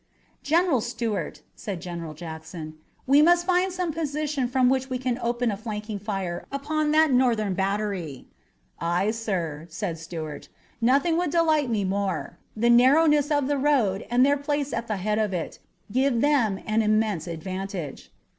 "General Stuart," said General Jackson, "we must find some position from which we can open a flanking fire upon that Northern battery." "Aye, sir," said Stuart. "Nothing would delight me more. The narrowness of the road, and their place at the head of it, give them an immense advantage.